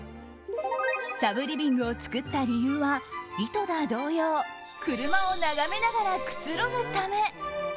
サブリビングを作った理由は井戸田同様、車を眺めながらくつろぐため。